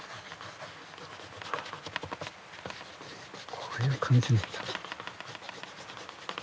こういう感じなんだ。